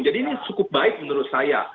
jadi ini cukup baik menurut saya